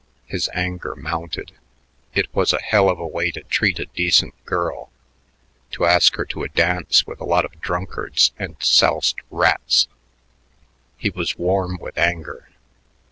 His anger mounted. It was a hell of a way to treat a decent girl, to ask her to a dance with a lot of drunkards and soused rats. He was warm with anger.